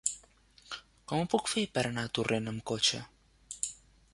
Com ho puc fer per anar a Torrent amb cotxe?